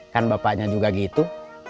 kan bapaknya juga gitu